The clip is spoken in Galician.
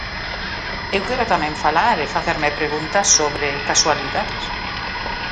Eu quero tamén falar e facerme preguntas sobre casualidades.